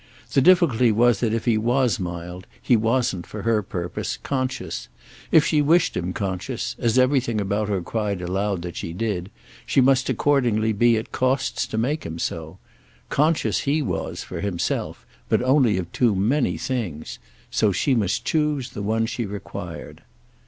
The difficulty was that if he was mild he wasn't, for her purpose, conscious. If she wished him conscious—as everything about her cried aloud that she did—she must accordingly be at costs to make him so. Conscious he was, for himself—but only of too many things; so she must choose the one she required.